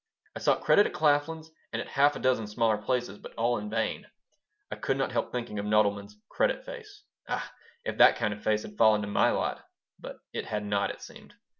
I sought credit at Claflin's and at half a dozen smaller places, but all in vain. I could not help thinking of Nodelman's "credit face." Ah, if that kind of a face had fallen to my lot! But it had not, it seemed.